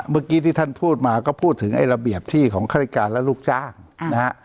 เมื่อกี้ที่ท่านพูดมาก็พูดถึงไอ้ระเบียบที่ของฆาติการและลูกจ้างนะฮะ